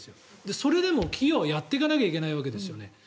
それでも企業はやっていかなきゃいけないわけですよね。